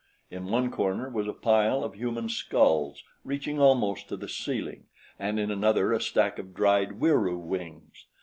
In one corner was a pile of human skulls reaching almost to the ceiling and in another a stack of dried Wieroo wings.